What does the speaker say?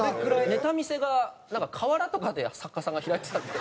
ネタ見せがなんか河原とかで作家さんが開いてたんで。